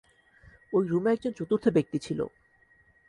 ওই রুমে একজন চতুর্থ ব্যক্তি ছিল।